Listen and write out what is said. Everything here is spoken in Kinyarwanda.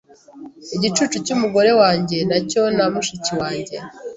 Igicucu cyumugore wanjye nacyo na mushiki wanjye